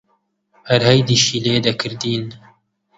هەر هەیدیشی لێ دەکردین: